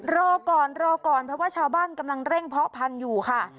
รอก่อนเพราะว่าชาวบ้านกำลังเร่งเพาะผันอยู่ค่ะ